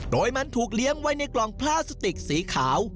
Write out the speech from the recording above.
โดยมันถูกเลี้ยงไว้ในกล่องพลาสติกสีขาว